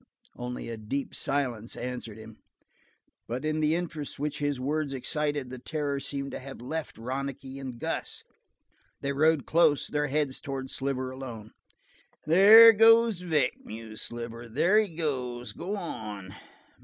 Only a deep silence answered him, but in the interest which his words excited the terror seemed to have left Ronicky and Gus. They rode close, their heads toward Sliver alone. "There goes Vic," mused Sliver. "There he goes go on.